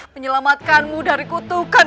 menyelamatkanmu dari kutukan